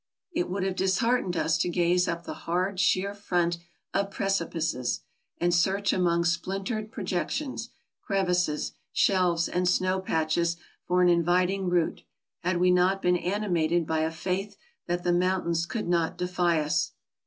It would have disheartened us to gaze up the hard, sheer front of precipices, and search among splintered projections, crevices, shelves, and snow patches for an inviting route, had we not been animated by a faith that the mountains could not defy us.